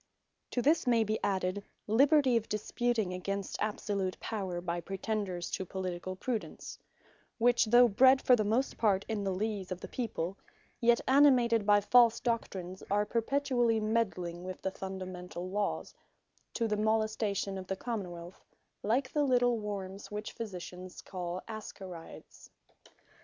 Liberty Of Disputing Against Soveraign Power To which may be added, the Liberty of Disputing against absolute Power, by pretenders to Politicall Prudence; which though bred for the most part in the Lees of the people; yet animated by False Doctrines, are perpetually medling with the Fundamentall Lawes, to the molestation of the Common wealth; like the little Wormes, which Physicians call Ascarides.